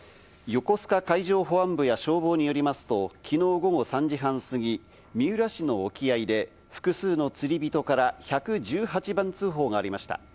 横須賀海上保安部や消防によりますと、昨日午後３時半過ぎ、三浦市の沖合で、複数の釣り人から１１８番通報がありました。